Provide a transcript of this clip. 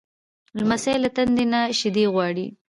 لمسی له تندې نه شیدې غواړي.